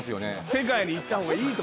世界に行った方がいい。